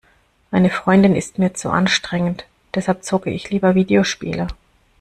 Eine Freundin ist mir zu anstrengend, deshalb zocke ich lieber Videospiele.